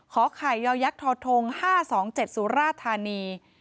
ขอไข่ยาวยักษ์ทธง๕๒๗สุราธารณี